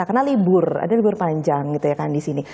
karena libur ada libur panjang gitu ya kan disini